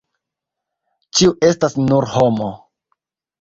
Ĉiu estas nur homo.